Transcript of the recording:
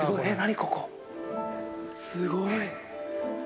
すごい！